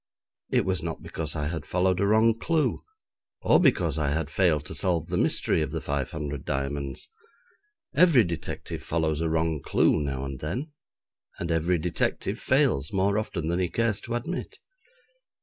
It was not because I had followed a wrong clue, or because I had failed to solve the mystery of the five hundred diamonds. Every detective follows a wrong clue now and then, and every detective fails more often than he cares to admit.